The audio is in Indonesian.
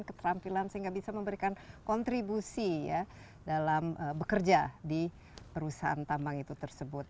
keterampilan sehingga bisa memberikan kontribusi ya dalam bekerja di perusahaan tambang itu tersebut